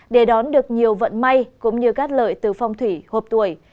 để đón được nhiều vận may cũng như các lợi từ phong thủy hộp tuổi